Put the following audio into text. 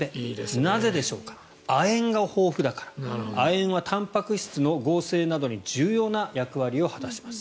なぜでしょうか亜鉛が豊富だから亜鉛はたんぱく質の合成などに重要な役割を果たします。